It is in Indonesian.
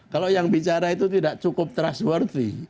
kalau yang bicara itu tidak cukup trustworthy